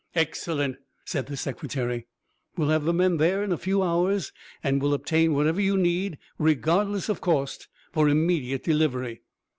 "Excellent," said the Secretary. "We'll have the men there in a few hours and will obtain whatever you need, regardless of cost, for immediate delivery.